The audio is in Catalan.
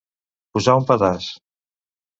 Posar un pedaç.